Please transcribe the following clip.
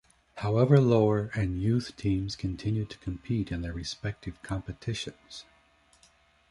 However lower and youth teams continued to compete in their respective competitions.